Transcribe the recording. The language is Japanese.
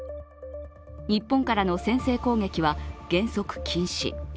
日本からの先制攻撃は原則、禁止。